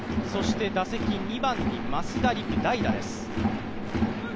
打席２番に増田陸代打です。